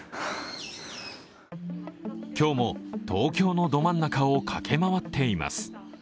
今日も東京都のど真ん中を駆け回っています。